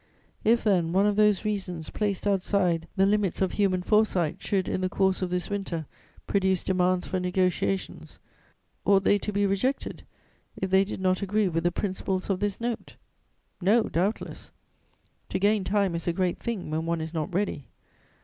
"If, then, one of those reasons, placed outside the limits of human foresight, should, in the course of this winter, produce demands for negociations, ought they to be rejected, if they did not agree with the principles of this Note? No, doubtless: to gain time is a great thing, when one is not ready.